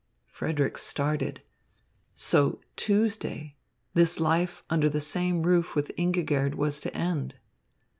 Frederick started. So Tuesday this life under the same roof with Ingigerd was to end.